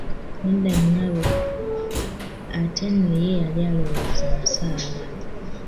Nedda nyabo, ate nno ye yali alowooza nsaaga.